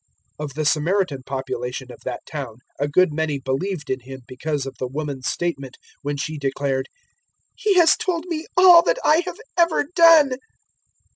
004:039 Of the Samaritan population of that town a good many believed in Him because of the woman's statement when she declared, "He has told me all that I have ever done."